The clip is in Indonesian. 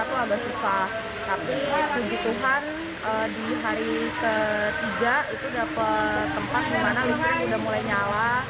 itu agak susah tapi puji tuhan di hari ketiga itu dapat tempat dimana listrik udah mulai nyala